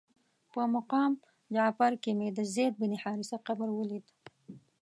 په مقام جعفر کې مې د زید بن حارثه قبر ولید.